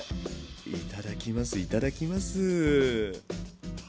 いただきますいただきます！